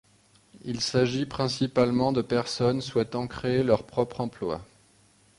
Il s'agit principalement de personnes souhaitant créer leur propre emploi.